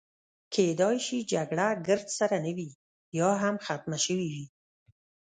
کیدای شوه جګړه ګرد سره نه وي، یا هم ختمه شوې وي.